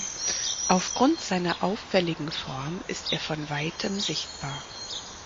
Aufgrund seiner auffälligen Form ist er von weitem sichtbar.